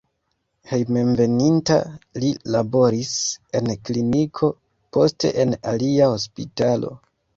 Hejmenveninta li laboris en kliniko, poste en alia hospitalo.